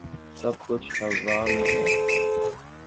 سب کچھ ہوا میں ہے۔